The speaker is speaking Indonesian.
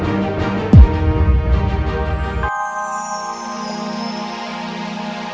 aku gak sengaja mama